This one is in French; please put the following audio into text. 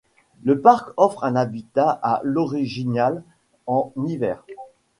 Le parc offre un habitat à l'orignal en hiver.